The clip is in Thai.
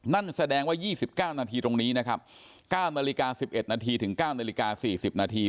นั่นแสดงว่า๒๙นาทีตรงนี้นะครับ๙นาฬิกา๑๑นาทีถึง๙นาฬิกา๔๐นาที